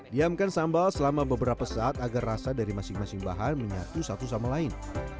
diamkan sambal selama beberapa saat agar rasa dari masing masing bahan menyatu satu sama lain